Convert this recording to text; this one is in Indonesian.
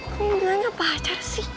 kok lu bilang gak pacar sih